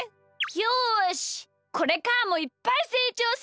よしこれからもいっぱいせいちょうするぞ！